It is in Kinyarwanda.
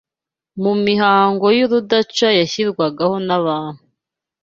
mu mihango y’urudaca yashyirwagaho n’abantu